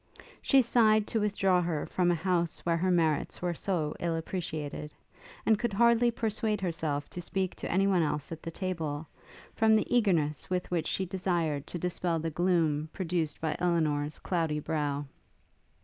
She sighed to withdraw her from a house where her merits were so ill appreciated; and could hardly persuade herself to speak to any one else at the table, from the eagerness with which she desired to dispel the gloom produced by Elinor's cloudy brow.